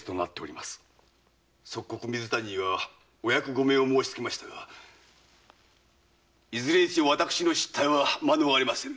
即刻水谷にはお役御免を申しつけましたがいずれにせよ私の失態は免れません。